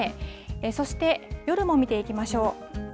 そして、夜も見ていきましょう。